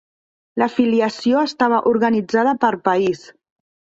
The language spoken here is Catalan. L'afiliació estava organitzada per país.